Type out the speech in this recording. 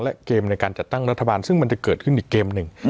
และเกมในการจัดตั้งรัฐบาลซึ่งมันจะเกิดขึ้นอีกเกมหนึ่ง